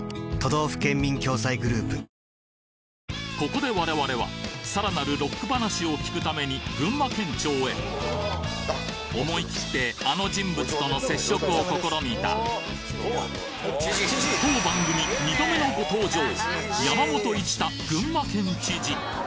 ここで我々は更なるロック話を聞くために群馬県庁へ思い切ってあの人物との接触を試みた当番組２度目のご登場